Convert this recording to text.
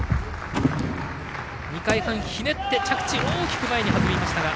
２回半ひねって着地は大きく前にはずんだか。